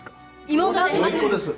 妹です。